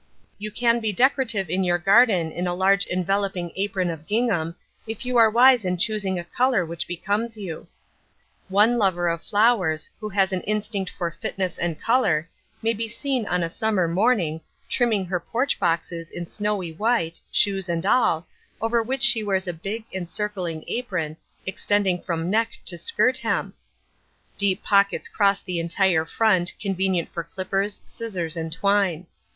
You can be decorative in your garden in a large enveloping apron of gingham, if you are wise in choosing a colour which becomes you. One lover of flowers, who has an instinct for fitness and colour, may be seen on a Summer morning, trimming her porch boxes in snowy white, shoes and all, over which she wears a big, encircling apron, extending from neck to skirt hem; deep pockets cross the entire front, convenient for clippers, scissors and twine.